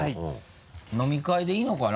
飲み会でいいのかな？